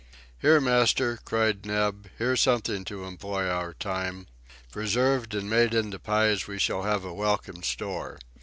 "Here, master," cried Neb; "here's something to employ our time! Preserved and made into pies we shall have a welcome store!